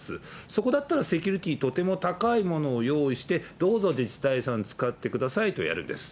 そこだったらセキュリティーとても高いものを用意して、どうぞ自治体さん、使ってくださいとやるんです。